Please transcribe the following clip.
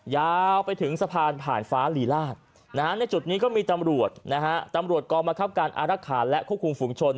ยาวไปถึงสะพานผ่านฟ้าหรีราชในจุดนี้ก็มีตำรวจกอบมะครับการอารคาและควบคุมฝุ่งชน